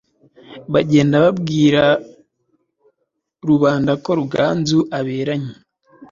bagenda babwira rubanda ko Ruganzu aberanye